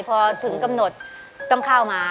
พอถึงกำหนดต้องเข้ามา